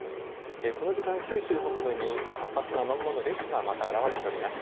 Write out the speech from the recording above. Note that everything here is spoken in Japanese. この時間、九州北部に活発な雨雲の列がまた現れております。